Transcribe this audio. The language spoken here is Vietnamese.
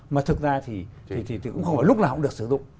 mà thực ra thì cũng không phải lúc nào cũng được sử dụng